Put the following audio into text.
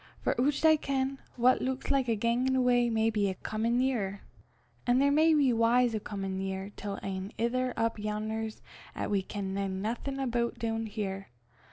For oucht I ken, what luiks like a gangin' awa may be a comin' nearer. An' there may be w'ys o' comin' nearer till ane anither up yon'er 'at we ken naething aboot doon here.